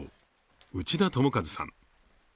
内田友和さん。